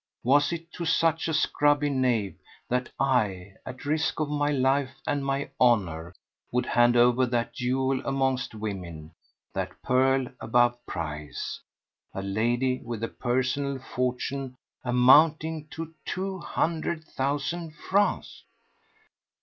Was it to such a scrubby knave that I, at risk of my life and of my honour, would hand over that jewel amongst women, that pearl above price?—a lady with a personal fortune amounting to two hundred thousand francs?